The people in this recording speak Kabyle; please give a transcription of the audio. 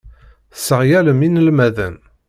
Tesseɣyalem inelmaden.